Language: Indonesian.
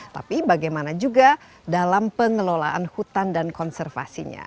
tapi bagaimana juga dalam pengelolaan hutan dan konservasinya